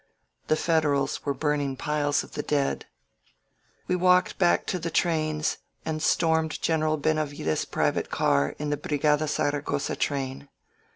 The Federals were burning piles of the dead. ••• We walked back to the trains and stormed General Benavides' private car in the Brigada Zaragosa train.